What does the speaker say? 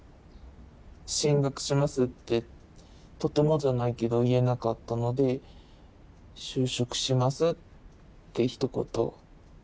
「進学します」ってとてもじゃないけど言えなかったので「就職します」ってひと言。